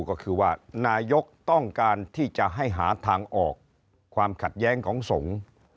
ก็คือว่านายกต้องการที่จะให้หาทางออกความขัดแย้งของสงฆ์